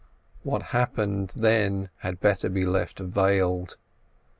What happened then had better be left veiled.